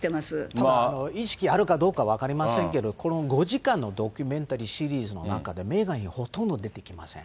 ただ、意識あるかどうか分かりませんけど、この５時間のドキュメンタリーシリーズの中でメーガン妃、ほとんど出てきません。